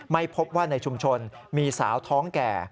ไม่พบว่าในชุมชนมีสาวท้องแก่